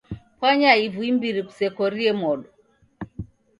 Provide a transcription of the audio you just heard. Pwanya ivu imbiri kusekorie modo.